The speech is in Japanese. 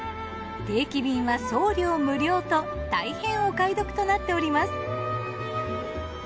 定期便は送料無料とたいへんお買い得となっております。